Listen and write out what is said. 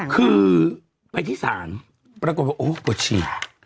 คือไปที่ศาลโอ้ปลวดฉี่